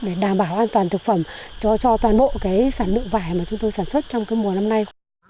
để đảm bảo an toàn thực phẩm cho toàn bộ sản lượng vải mà chúng tôi sản xuất trong mùa năm nay